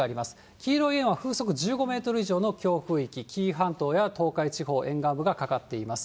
黄色い円は風速１５メートル以上の強風域、紀伊半島や東海地方沿岸部がかかっています。